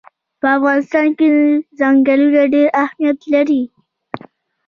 په افغانستان کې ځنګلونه ډېر اهمیت لري.